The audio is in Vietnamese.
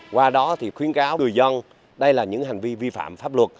qua đó thì khuyến cáo người dân đây là những hành vi vi phạm pháp luật